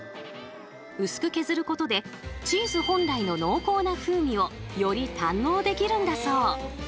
薄く削ることでチーズ本来の濃厚な風味をより堪能できるんだそう。